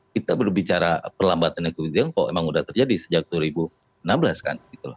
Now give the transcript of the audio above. kita berbicara perlambatan ekonomi tiongkok emang sudah terjadi sejak dua ribu enam belas kan